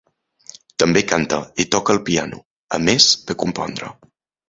També canta i toca el piano, a més de compondre.